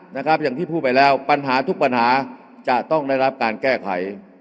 นะครับอย่างที่พูดไปแล้วปัญหาทุกปัญหาจะต้องได้รับการแก้ไข